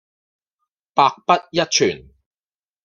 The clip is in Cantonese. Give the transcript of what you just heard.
百不一存